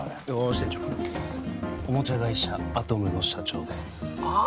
支店長おもちゃ会社アトムの社長ですああ！